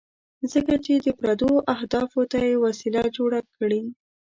ځکه چې د پردو اهدافو ته یې وسیله جوړه کړې.